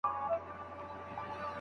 ولي خاوند ځانګړی مقام لري؟